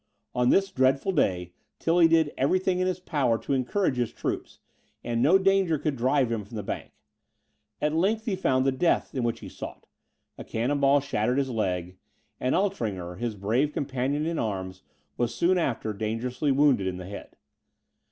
On this dreadful day, Tilly did every thing in his power to encourage his troops; and no danger could drive him from the bank. At length he found the death which he sought, a cannon ball shattered his leg; and Altringer, his brave companion in arms, was, soon after, dangerously wounded in the head.